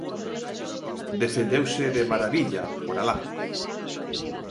Defendeuse de marabilla por alá.